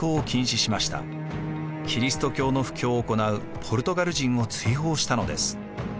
キリスト教の布教を行うポルトガル人を追放したのです。